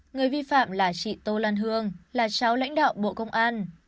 người vi phạm là chị tô lan hương là cháu lãnh đạo bộ công an